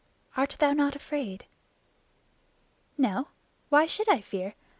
Art thou not afraid?" "No. Why should I fear?